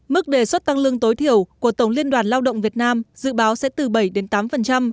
mức đề xuất tăng lương tối thiểu của tổng liên đoàn lao động việt nam dự báo sẽ từ bảy đến tám